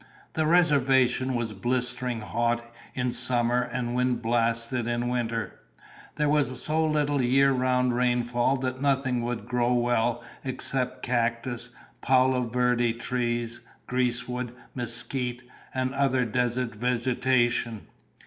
The reservation was blistering hot in summer and wind blasted in winter. There was so little year round rainfall that nothing would grow well except cactus, palo verde trees, greasewood, mesquite, and other desert vegetation.